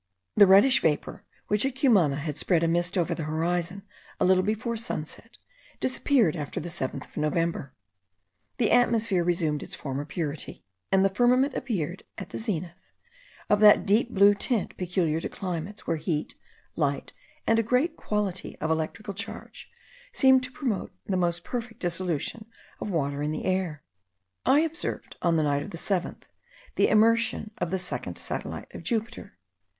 The reddish vapour which at Cumana had spread a mist over the horizon a little before sunset, disappeared after the 7th of November. The atmosphere resumed its former purity, and the firmament appeared, at the zenith, of that deep blue tint peculiar to climates where heat, light, and a great equality of electric charge seem all to promote the most perfect dissolution of water in the air. I observed, on the night of the 7th, the immersion of the second satellite of Jupiter.